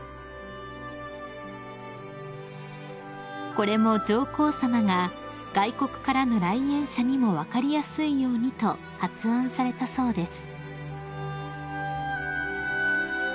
［これも上皇さまが外国からの来園者にも分かりやすいようにと発案されたそうです］